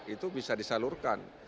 itu bisa disalurkan